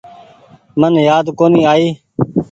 من يآد ڪونيٚ آئي۔